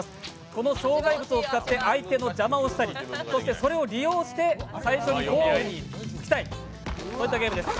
この障害物を使って、相手の邪魔をしたり、それを利用して最初にゴールにつきたいそういったゲームです。